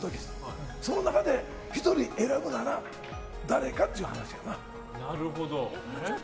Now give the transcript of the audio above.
その中で、１人選ぶなら誰かっていう話やな。